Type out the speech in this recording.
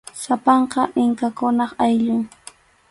Sapanka inkakunap ayllun.